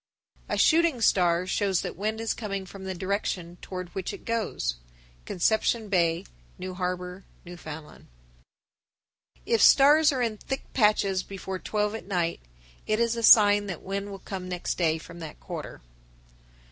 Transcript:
A shooting star shows that wind is coming from the direction toward which it goes. Conception Bay, New Harbor, N.F. 1073. If stars are in thick patches before twelve at night, it is a sign that wind will come next day from that quarter.